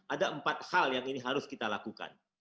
ada empat hal yang ini harus kita lakukan